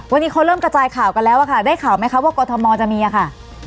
วันนี้เขาเริ่มกระจายข่าวกันแล้วอะค่ะได้ข่าวไหมคะว่ากรทมจะมีค่ะ